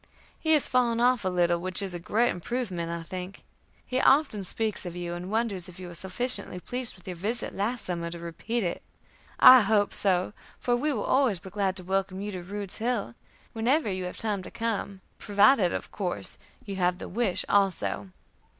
He has fallen off a little, which is a great improvement, I think. He often speaks of you, and wonders if you were sufficiently pleased with your visit last summer to repeat it. I hope so, for we will always be glad to welcome you to Rude's Hill, whenever you have time to come; provided, of course, you have the wish also.